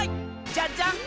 じゃじゃん。